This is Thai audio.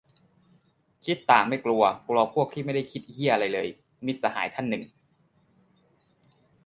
"คิดต่างไม่กลัว กลัวพวกที่ไม่คิดเหี้ยอะไรเลย" - มิตรสหายท่านหนึ่ง